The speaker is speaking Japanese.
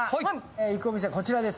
行くお店はこちらです。